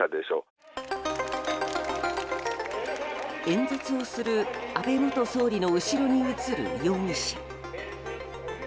演説をする安倍元総理の後ろに映る容疑者。